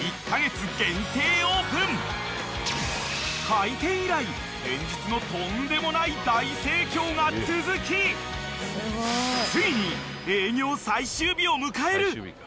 ［開店以来連日のとんでもない大盛況が続きついに営業最終日を迎える］